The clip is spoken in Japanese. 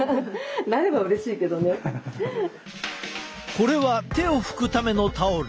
これは手を拭くためのタオル。